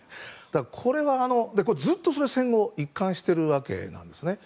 これ、ずっと戦後一貫しているわけですね。